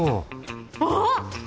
あっ！